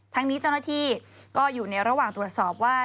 ทั้งนี้เจ้าหน้าที่ก็อยู่ในระหว่างตรวจสอบว่า